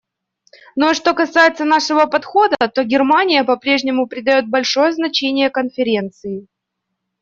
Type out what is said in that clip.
Ну а что касается нашего подхода, то Германия по-прежнему придает большое значение Конференции.